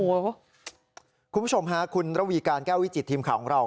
คุณผู้ชมค่ะคุณระวีการแก้ววิจิตทีมข่าวของเรา